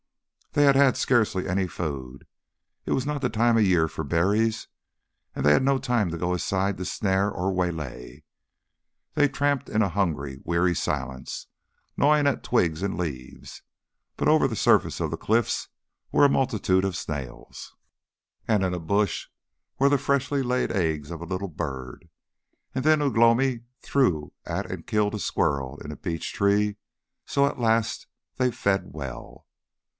They had had scarcely any food; it was not the time of year for berries, and they had no time to go aside to snare or waylay. They tramped in a hungry weary silence, gnawing at twigs and leaves. But over the surface of the cliffs were a multitude of snails, and in a bush were the freshly laid eggs of a little bird, and then Ugh lomi threw at and killed a squirrel in a beech tree, so that at last they fed well.